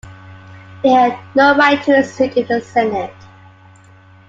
He had no right to a seat in the Senate.